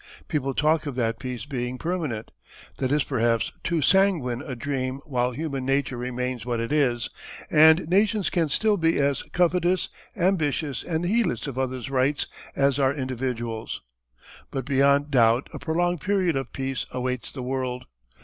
People talk of that peace being permanent. That is perhaps too sanguine a dream while human nature remains what it is, and nations can still be as covetous, ambitious, and heedless of others' rights as are individuals. But beyond doubt a prolonged period of peace awaits the world.